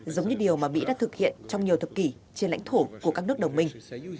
giống như điều mà mỹ đã thực hiện trong nhiều thập kỷ trên lãnh thổ của các nước đồng minh